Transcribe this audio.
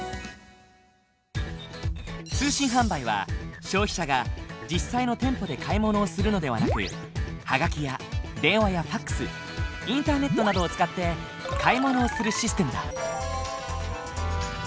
通信販売は消費者が実際の店舗で買い物をするのではなくハガキや電話やファックスインターネットなどを使って買い物をするシステムだ。